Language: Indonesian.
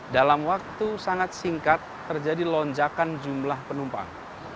dalam waktu sangat singkat terjadi lonjakan jumlah penumpang